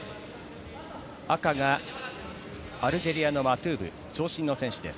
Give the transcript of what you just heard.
赤がアルジェリアのマトゥーブ、長身の選手です。